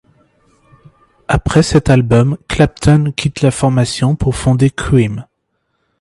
Après cet album, Clapton quitte la formation pour fonder Cream.